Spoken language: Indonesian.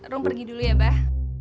rum pergi dulu ya bah